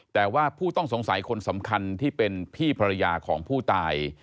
แต่ว่าผู้ต้องสงสัยคนสำคัญที่เป็นพี่ภรรยาของผู้ตาย